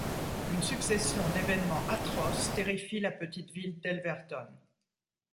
Une succession d'événements atroces terrifie la petite ville d'Helverton.